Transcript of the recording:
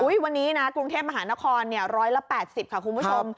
อุ๊ยวันนี้นะกรุงเทพฯมหานครร้อยละ๘๐ค่ะคุณผู้ชม